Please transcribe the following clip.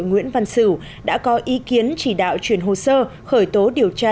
nguyễn văn sử đã có ý kiến chỉ đạo truyền hồ sơ khởi tố điều tra